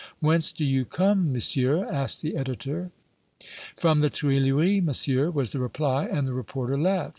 "Whence do you come, Monsieur?" asked the editor. "From the Tuileries, Monsieur," was the reply, and the reporter left.